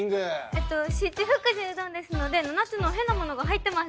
えっと七福神うどんですので７つの変なものが入ってます！